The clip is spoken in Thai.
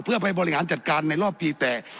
เพื่อไปบริหารจัดการในรอบปีแต่